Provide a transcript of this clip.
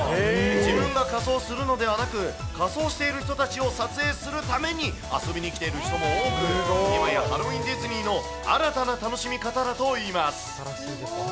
自分が仮装するのではなく、仮装している人たちを撮影するために遊びに来ている人も多く、今やハロウィーンディズニーの新たな楽しみ方だといいます。